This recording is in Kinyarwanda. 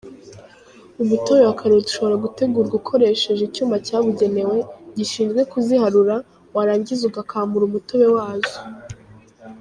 Umutobe wa karoti ushobora gutegurwa ukoresheje icyuma cyabugenewe, gishinzwe kuziharura, warangiza ugakamura umutobe wazo.